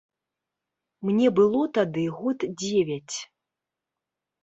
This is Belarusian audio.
Мне было тады год дзевяць.